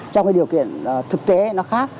trong cái điều kiện thực tế nó khác